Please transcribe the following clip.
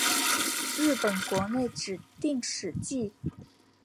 日本国内指定史迹。